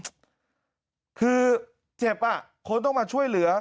อื้อหือร์เจ็บมะก็ต้องมาช่วยเหลือ